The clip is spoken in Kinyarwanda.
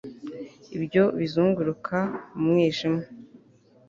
ibyo bizunguruka mu mwijima